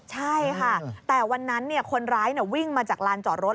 ใช่ค่ะแต่วันนั้นคนร้ายวิ่งมาจากลานจอดรถ